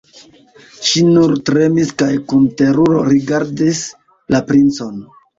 Ŝi nur tremis kaj kun teruro rigardis la princon.